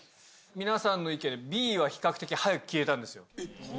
皆さんの意見、Ｂは比較的早く消えたんですよ。